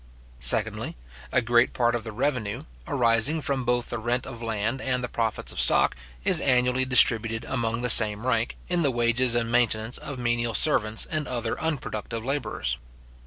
Secondly, a great part of the revenue, arising from both the rent of land and the profits of stock, is annually distributed among the same rank, in the wages and maintenance of menial servants, and other unproductive labourers.